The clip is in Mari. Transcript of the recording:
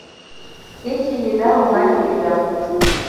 Кече еда оҥай лиеда.